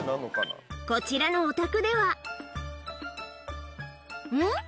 こちらのお宅ではんっ？